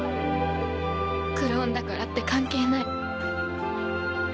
クローンだからって関係ない